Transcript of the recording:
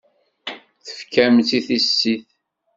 Tefkam-tt i tissit.